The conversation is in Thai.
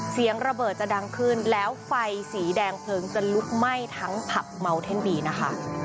เสียงระเบิดจะดังขึ้นแล้วไฟสีแดงเพลิงจะลุกไหม้ทั้งผับเมาเท่นบีนะคะ